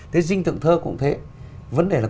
thế dinh tượng thơ cũng thế vấn đề là